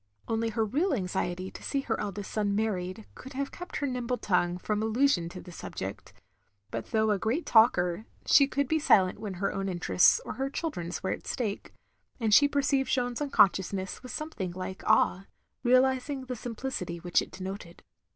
Only her real anxiety to see her eldest son married, could have kept her nimble tongue from allusion to the subject; but though a great talker, she could be silent when her own interests or her children's were at stake; and she perceived Jeanne's unconsciousness with something like awe, realising the simplicity which it denoted.